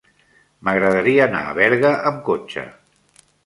M'agradaria anar a Berga amb cotxe.